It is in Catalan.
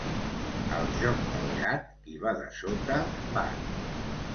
Al joc del gat, qui va dessota, bat.